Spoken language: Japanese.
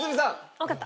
わかった。